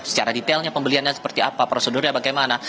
secara detailnya pembeliannya seperti apa prosedurnya bagaimana